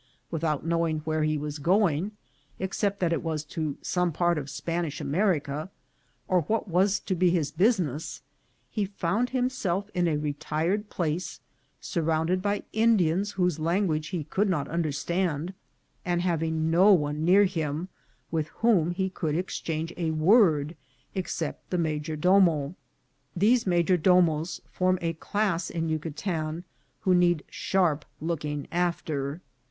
Without knowing where he was going, except that it was to some part of Spanish America, or what was to be his business, he found himself in a retired place, sur rounded by Indians whose language he could not un derstand, and having no one near him with whom he could exchange a word except the major domo. These major domos form a class in Yucatan who need sharp looking after.